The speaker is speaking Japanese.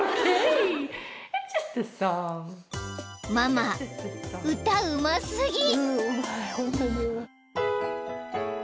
［ママ歌うますぎ！］